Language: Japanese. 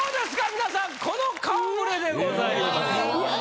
皆さんこの顔触れでございます。